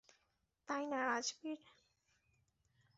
তাই না, রাজবীর?